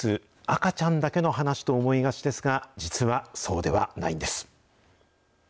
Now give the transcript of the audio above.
赤ちゃんだけの話と思いがちですが、実はそうではないんです。